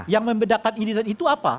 yang membedakan identitas itu apa